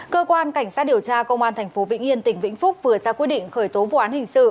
cơ quan cảnh sát điều tra công an tp vĩnh yên tỉnh vĩnh phúc vừa ra quyết định khởi tố vụ án hình sự